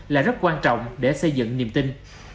là rất quan trọng để xây dựng niềm tin